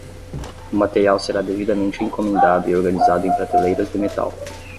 O material será devidamente encomendado e organizado em prateleiras de metal.